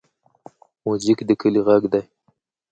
موزیک د کلي غږ دی.